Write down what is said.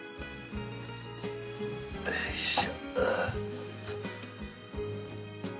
よいしょ。